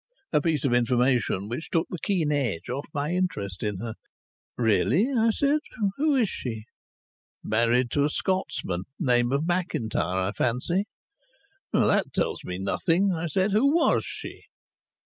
A piece of information which took the keen edge off my interest in her. "Really!" I said. "Who is she?" "Married to a Scotsman named Macintyre, I fancy." "That tells me nothing," I said. "Who was she?"